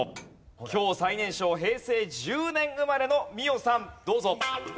今日最年少平成１０年生まれの美緒さんどうぞ。